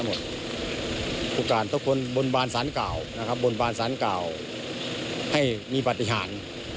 อุปกรณ์ทุกคนบนบรรสารแก่าให้มีขาร์ติหาร